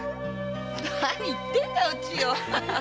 何言ってんだいおちよ。